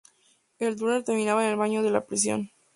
El túnel terminaba en el baño de la prisión.